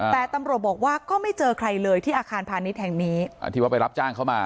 แต่ตำรวจบอกว่าก็ไม่เจอใครเลยที่อาคารพาณิชย์แห่งนี้ที่ว่าไปรับจ้างเข้ามา